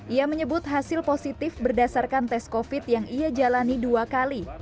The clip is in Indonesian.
ia menyebut hasil positif berdasarkan tes covid yang ia jalani dua kali